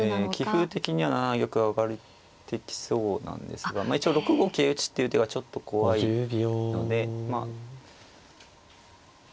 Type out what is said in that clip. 棋風的には７七玉上がってきそうなんですが一応６五桂打っていう手はちょっと怖いのでまあ。